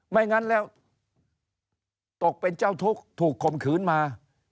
ไม่งั้นแล้วตกเป็นเจ้าทุกข์ถูกคมขืนมา